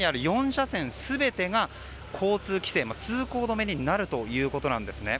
４車線全てが通行止めになるということなんですね。